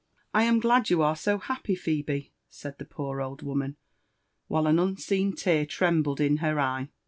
" I am glad you are so happy, Phebe," said the poor old woman, while.an unseen tear trembled in her eye.